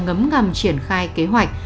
ngấm ngầm triển khai kế hoạch